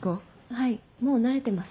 はいもう慣れてます。